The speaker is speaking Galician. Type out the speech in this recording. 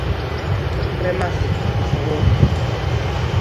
Remate, pro favor.